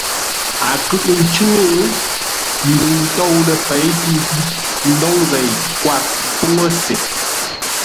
A kʉʼʉ ncʉ́ŋə́, ndəu tôu ləfěi tû zʉ́, ndôŋ zêi kwâr ḿpfúŋə́ se.